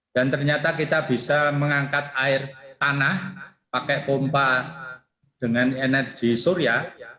dan ternyata kita bisa mengangkat air tanah pakai pompa dengan energi surya